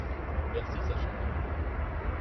Bercy, ça change un homme